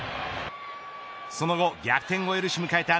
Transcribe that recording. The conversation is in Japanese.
その後逆転を許し迎えた